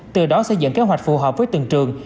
từ đó xây dựng kế hoạch phù hợp với từng trường